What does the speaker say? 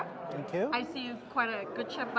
saya melihat anda adalah seorang chef yang bagus di sana